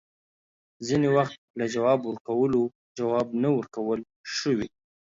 ځینې وخت له جواب ورکولو، جواب نه ورکول ښه وي